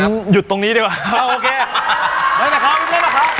ผมหยุดตรงนี้ดีกว่าโอ้โอเคแล้วแต่พร้อมพี่เพื่อนล่ะครับ